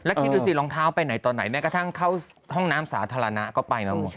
คิดดูสิรองเท้าไปไหนตอนไหนแม้กระทั่งเข้าห้องน้ำสาธารณะก็ไปมาหมด